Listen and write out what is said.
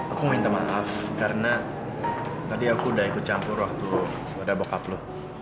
aku minta maaf karena tadi aku udah ikut campur waktu pada boc upload